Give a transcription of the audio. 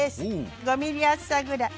５ｍｍ厚さぐらい。